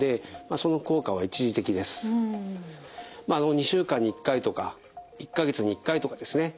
２週間に１回とか１か月に１回とかですね